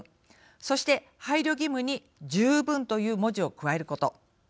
そして、配慮義務に「十分」という文字を加えること。